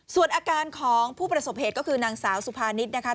ส่วนอาการของผู้ประสบเหตุก็คือนางสาวสุภานิษฐ์นะคะ